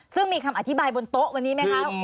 ซึ่งมีคำอธิบายบนโต๊ะวันนี้ไหมคะ